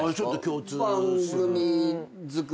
番組作り。